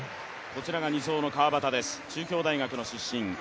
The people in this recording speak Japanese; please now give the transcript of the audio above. こちらが２走の川端です、中京大学の出身。